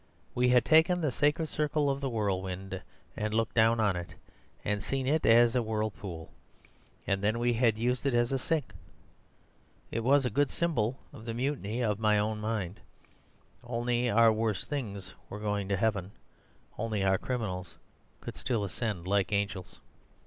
We had taken the sacred circle of the whirlwind, and looked down on it, and seen it as a whirlpool. And then we had used it as a sink. It was a good symbol of the mutiny in my own mind. Only our worst things were going to heaven. Only our criminals could still ascend like angels.